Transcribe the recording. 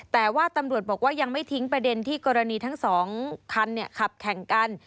แต่ว่าตำรวจบอกว่ายังไม่ทิ้งประเด็นที่กรณีทั้งสองคันขับแข่งกัน